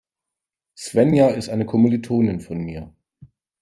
Svenja ist eine Kommilitonin von mir.